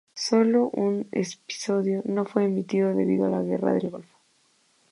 Sólo un episodio no fue emitido debido a la Guerra del Golfo.